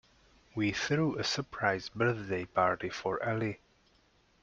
We threw a surprise birthday party for Ali.